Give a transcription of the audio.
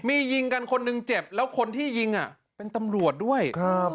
มียิงกันคนหนึ่งเจ็บแล้วคนที่ยิงอ่ะเป็นตำรวจด้วยครับ